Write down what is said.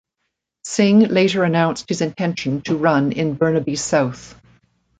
Singh later announced his intention to run in Burnaby South.